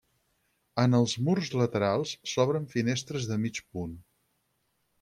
En els murs laterals s'obren finestres de mig punt.